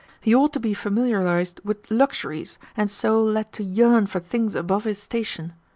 He ought to be familiarised with luxuries, and so led to yearn for things above his station.